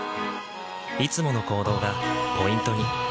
いつもの行動がポイントに。